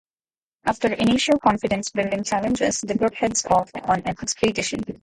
After initial confidence-building challenges, the group heads off on an expedition.